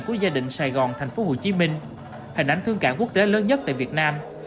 của gia đình sài gòn thành phố hồ chí minh hình ảnh thương cảm quốc tế lớn nhất tại việt nam